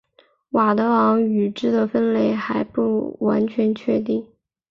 佤德昂语支的分类还不完全确定。